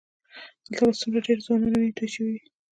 دلته به څومره ډېرو ځوانانو وینې تویې شوې وي.